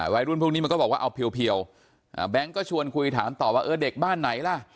พวกนี้มันก็บอกว่าเอาเพียวแบงค์ก็ชวนคุยถามต่อว่าเออเด็กบ้านไหนล่ะ